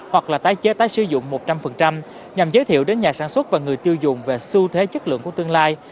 hoặc là tái chế tái sử dụng một trăm linh nhằm giới thiệu đến nhà sản xuất và người tiêu dùng về xu thế chất lượng của tương lai